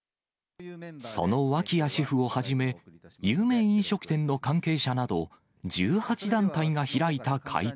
その脇屋シェフをはじめ、有名飲食店の関係者など１８団体が開いた会見。